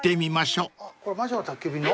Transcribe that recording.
あっこれ『魔女の宅急便』の？